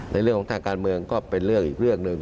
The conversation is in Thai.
ในเรื่องของทางการเมืองก็เป็นเรื่องอีกเรื่องหนึ่ง